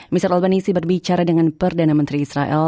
mr albanese berbicara dengan perdana menteri israel